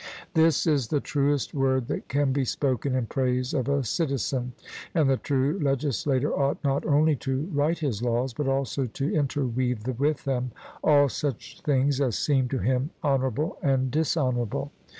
This is the truest word that can be spoken in praise of a citizen; and the true legislator ought not only to write his laws, but also to interweave with them all such things as seem to him honourable and dishonourable.